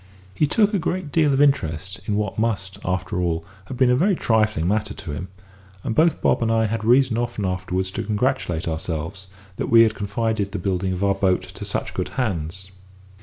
He took a great deal of interest in what must, after all, have been a very trifling matter to him; and both Bob and I had reason often afterwards to congratulate ourselves that we had confided the building of our boat to such good hands.